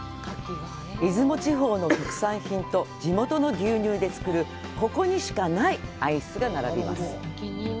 出雲地方の特産品と地元の牛乳で作るここにしかないアイスが並びます。